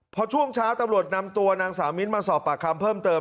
พอช่วงเช้าตำรวจนำตัวนางสาวมิ้นมาสอบปากคำเพิ่มเติม